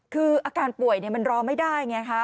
คืออาการป่วยมันรอไม่ได้ไงคะ